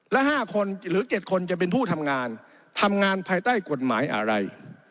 ละ๕คนหรือ๗คนจะเป็นผู้ทำงานทำงานภายใต้กฎหมายอะไร